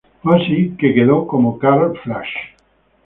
Fue así que quedó como Karl Flach.